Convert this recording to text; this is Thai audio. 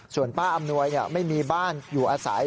ส่วนป้าอำนวยไม่มีบ้านอยู่อาศัย